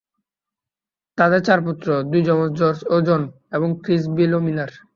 তাদের চার পুত্র: দুই জমজ জর্জ ও জন, এবং ক্রিস ও বিল মিলার।